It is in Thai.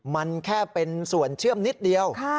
มันแค่เป็นส่วนเชื่อมนิดเดียว